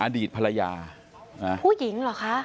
อดีตภรรยาผู้หญิงเหรอคะ